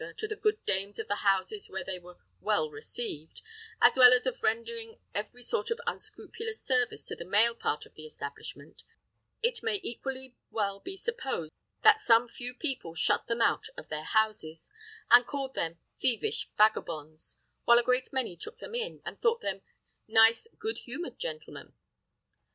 to the good dames of the houses where they were well received, as well as of rendering every sort of unscrupulous service to the male part of the establishment, it may equally well be supposed that some few people shut them out of their houses, and called them 'thievish vagabonds,' while a great many took them in, and thought them 'nice, good humoured gentlemen.'